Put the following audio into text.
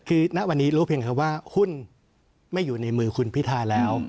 คือณวันนี้รู้เพียงคำว่าหุ้นไม่อยู่ในมือคุณพิทาแล้ว